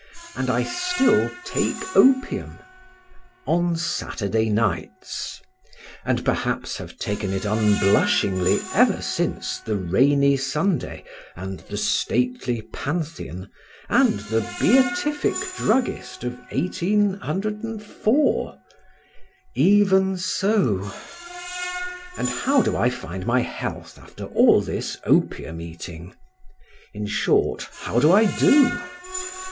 And I still take opium? On Saturday nights. And perhaps have taken it unblushingly ever since "the rainy Sunday," and "the stately Pantheon," and "the beatific druggist" of 1804? Even so. And how do I find my health after all this opium eating? In short, how do I do?